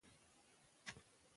بې پروایي په زده کړه کې سمه نه ده.